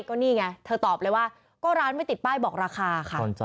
ก็นี่ไงเธอตอบเลยว่าก็ร้านไม่ติดป้ายบอกราคาค่ะ